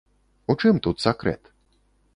У чым тут сакрэт?